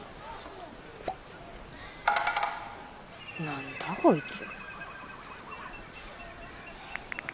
何だこいつ。